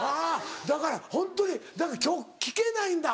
だからホントに今日聞けないんだ